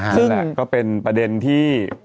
ซึ่งก็เป็นประเด็นที่